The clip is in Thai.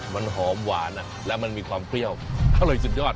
มันหอมหวานแล้วมันมีความเปรี้ยวอร่อยสุดยอด